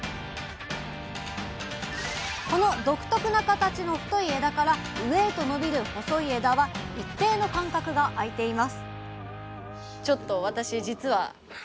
この独特な形の太い枝から上へと伸びる細い枝は一定の間隔があいています